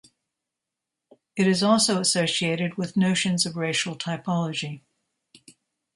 It is also associated with notions of racial typology.